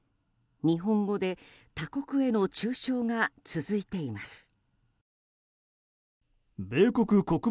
日本語で他国への中傷が続いています。